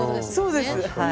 そうです。